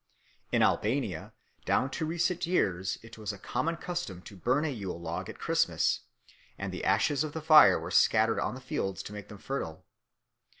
In Albania down to recent years it was a common custom to burn a Yule log at Christmas, and the ashes of the fire were scattered on the fields to make them fertile.